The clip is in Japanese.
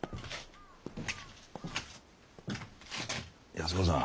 安子さん。